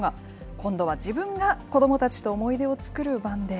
今度は自分が子どもたちと思い出を作る番です。